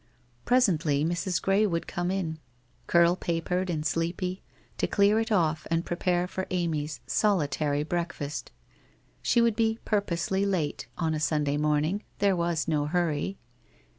Presently Mrs. Gray would come in, curl papered and sleepy, to clear it off and prepare for Amy's solitary breakfast. She would be purposely late, on a Sunday morning; there was no hurry.